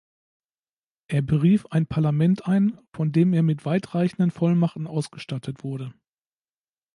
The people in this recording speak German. Er berief ein Parlament ein, von dem er mit weitreichende Vollmachten ausgestattet wurde.